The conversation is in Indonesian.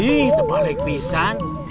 ih terbalik pisan